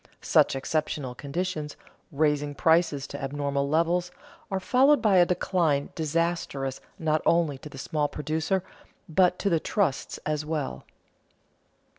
Such exceptional conditions, raising prices to abnormal levels, are followed by a decline disastrous not only to the small producer, but to the trusts as well.